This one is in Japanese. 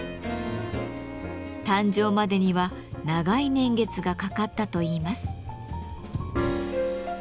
誕生までには長い年月がかかったといいます。